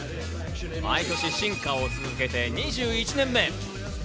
毎年進化を続けて２１年目。